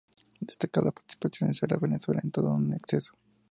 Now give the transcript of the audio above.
Destaca la participación de Sara Valenzuela en "Todo con exceso".